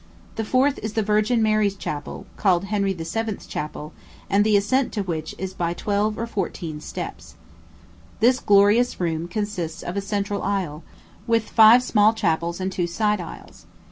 The fourth is the Virgin Mary's Chapel, called Henry VII.'s Chapel, and the ascent to which is by twelve or fourteen steps. This glorious room consists of a central aisle, with five small chapels and two side aisles.